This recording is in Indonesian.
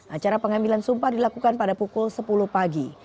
acara pengambilan sumpah dilakukan pada pukul sepuluh pagi